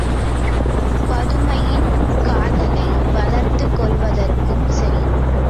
பதுமையின் காதலை வளர்த்துக் கொள்வதற்கும் சரி.